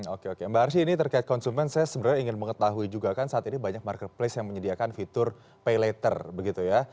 oke oke mbak arsy ini terkait konsumen saya sebenarnya ingin mengetahui juga kan saat ini banyak marketplace yang menyediakan fitur pay later begitu ya